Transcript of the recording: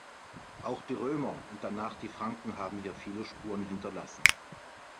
Auch die Römer und danach die Franken haben hier viele Spuren hinterlassen.